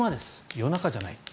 夜中じゃない。